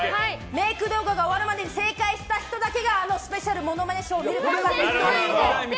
メイク動画が終わるまでに正解した人だけがあのスペシャルモノマネショーを見ることができます。